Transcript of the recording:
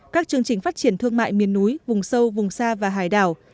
các chương trình phát triển thương mại miền núi vùng sâu vùng xa và hải đảo